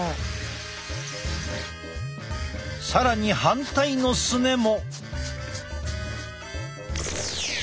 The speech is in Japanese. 更に反対のすねも。